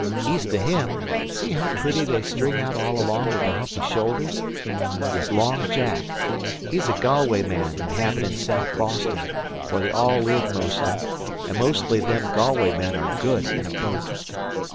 East o' him see how pretty they string out all along with the humpy shoulders, is Long Jack. He's a Galway man inhabitin' South Boston, where they all live mostly, an' mostly them Galway men are good in a boat.